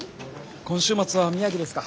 今週末は宮城ですか。